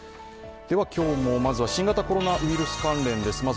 今日もまずは新型コロナウイルス関連です。